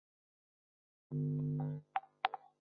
中华人民共和国全国运动会。